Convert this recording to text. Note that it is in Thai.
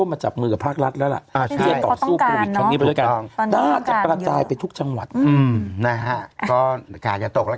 อย่างตึกใบหยกเรารู้ว่าเป็นตึกที่สูงที่สุดอยู่แล้ว